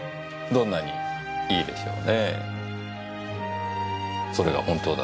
どんなにいいでしょう。